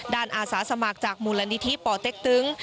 อาสาสมัครจากมูลนิธิป่อเต็กตึง